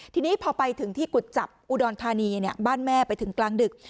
ทีนี้พอไปถึงที่กุจจับอุดรธานีบ้านแม่ไปถึงกลางดึก